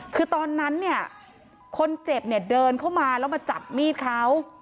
คือตอนนั้นเนี่ยคนเจ็บเนี่ยเดินเข้ามาแล้วมาจับมีดเขา